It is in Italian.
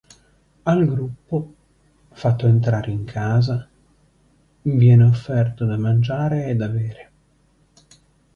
Al gruppo, fatto entrare in casa, viene offerto da mangiare e da bere.